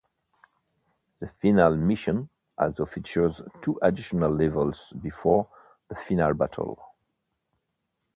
The final Mission also features two additional levels before the final battle.